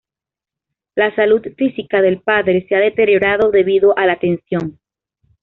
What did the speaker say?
La salud física del padre se ha deteriorado debido a la tensión.